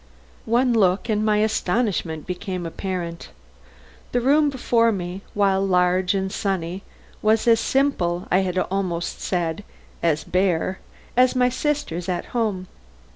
One look, and my astonishment became apparent. The room before me, while large and sunny, was as simple, I had almost said as bare, as my sister's at home.